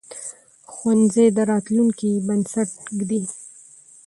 ښوونځی د راتلونکي بنسټ ږدي